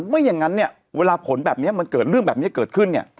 เพราะว่าอย่างนั้นเวลาผลแบบนี้มันเกิดเรื่องแบบนี้เกิดขึ้น